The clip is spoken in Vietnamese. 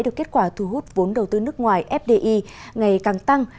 được kết quả thu hút vốn đầu tư nước ngoài fdi ngày càng tăng